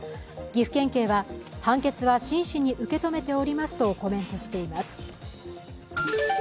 岐阜県警は判決は真摯に受け止めておりますとコメントしています。